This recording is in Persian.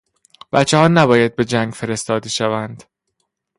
بچهها نباید به جنگ فرستاده شوند.